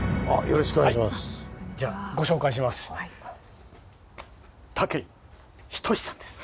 よろしくお願いします。